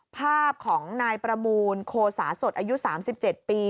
ภาพของนายประมูลโคสาสดอายุ๓๗ปี